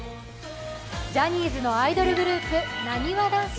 ジャニーズのアイドルグループなにわ男子。